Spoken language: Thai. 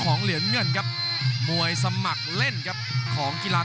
กรุงฝาพัดจินด้า